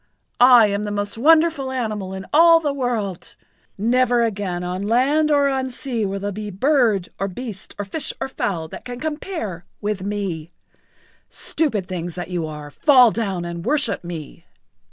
I am the most wonderful animal in all the world. Never again on land or on sea will there be bird or beast or fish or fowl that can compare[Pg 78] with me. Stupid things that you are, fall down and worship me."